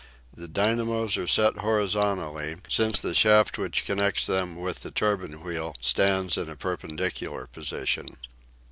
The dynamos are set horizontally, since the shaft which connects them with the turbine wheel stands in a perpendicular position.